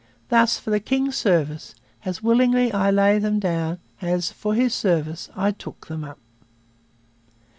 Thus, for the King's service, as willingly I lay them down as, for his service, I took them up.'